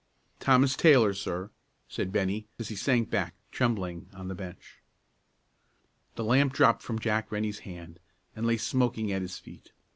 "Thomas Taylor, sir," said Bennie, as he sank back, trembling, on the bench. The lamp dropped from Jack Rennie's hand, and lay smoking at his feet.